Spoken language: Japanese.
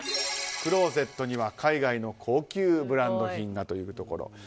クローゼットには海外の高級ブランド品というところ。